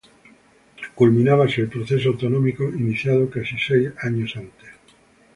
Culminaba así el proceso autonómico iniciado casi seis años antes.